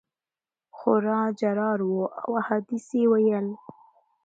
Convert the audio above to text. خورا جرار وو او احادیث یې ویل.